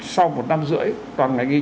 sau một năm rưỡi toàn ngày nghi